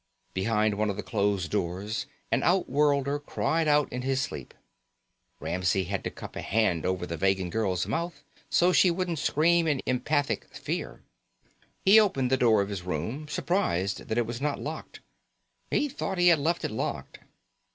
Behind one of the closed doors an outworlder cried out in his sleep. Ramsey had to cup a hand over the Vegan girl's mouth so she wouldn't scream in empathic fear. He opened the door of his room, surprised that it was not locked. He thought he had left it locked.